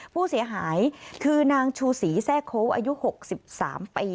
ผู้เสียหายคือนางชูศรีแทรกโค้อายุ๖๓ปี